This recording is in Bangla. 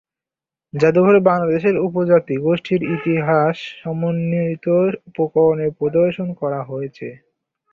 জাদুঘরে বাংলাদেশের উপজাতি গোষ্ঠীর ইতিহাস সমন্বিত উপকরণের প্রদর্শন করা হয়েছে।